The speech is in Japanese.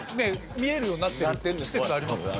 見れるようになってる施設ありますよね